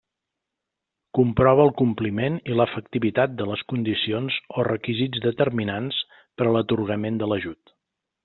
Comprova el compliment i l'efectivitat de les condicions o requisits determinants per a l'atorgament de l'ajut.